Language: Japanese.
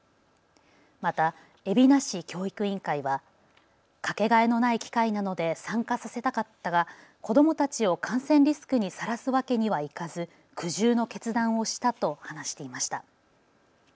また、海老名市教育委員会は掛けがえのない機会なので参加させたかったが子どもたちを感染リスクにさらすわけにはいかず苦渋の決断をしたと話していました。